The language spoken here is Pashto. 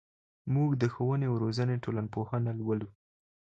موږ د ښوونې او روزنې ټولنپوهنه لولو.